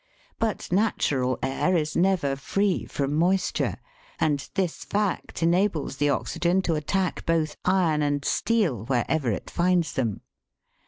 But natural air is never free from moisture, and this fact enables the oxygen to attack both iron and steel wherever it finds them.